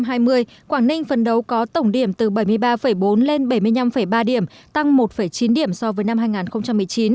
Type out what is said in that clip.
năm hai nghìn hai mươi quảng ninh phần đấu có tổng điểm từ bảy mươi ba bốn lên bảy mươi năm ba điểm tăng một chín điểm so với năm hai nghìn một mươi chín